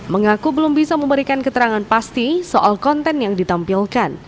mengaku belum bisa memberikan keterangan pasti soal konten yang ditampilkan